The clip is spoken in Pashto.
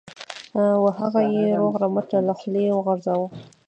و هغه یې روغ رمټ له خولې وغورځاوه.